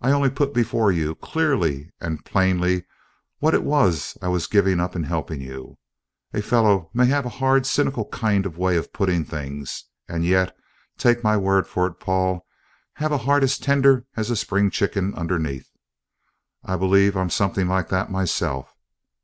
I only put before you clearly and plainly what it was I was giving up in helping you. A fellow may have a hard cynical kind of way of putting things, and yet, take my word for it, Paul, have a heart as tender as a spring chicken underneath. I believe I'm something like that myself.